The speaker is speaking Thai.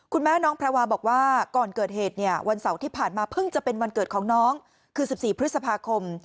คุณแม่น้องแพรวาบอกว่าก่อนเกิดเหตุเนี่ยวันเสาร์ที่ผ่านมาเพิ่งจะเป็นวันเกิดของน้องคือ๑๔พฤษภาคม